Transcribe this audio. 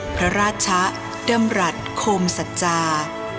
พระราชะดำรัฐโคมสัจจา